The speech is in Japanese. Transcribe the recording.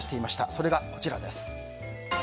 それがこちらです。